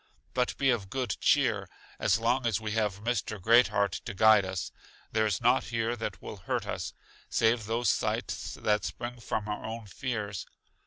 But be of good cheer, as long as we have Mr. Great heart to guide us, there is nought here that will hurt us, save those sights that spring from our own fears.